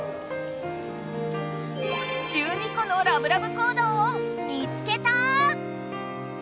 １２個のラブラブ行動を見つけた！